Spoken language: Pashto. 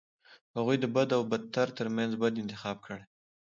هغوی د بد او بدتر ترمنځ بد انتخاب کړي.